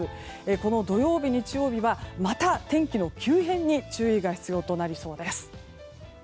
この土曜日、日曜日はまた天気の急変に注意が必要となりそうです。